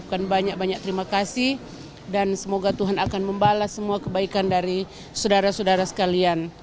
terima kasih banyak banyak terima kasih dan semoga tuhan akan membalas semua kebaikan dari saudara saudara sekalian